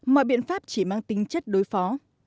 mọi biện pháp chỉ mang tính chất đối phó